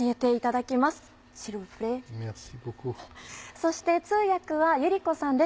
そして通訳は百合子さんです。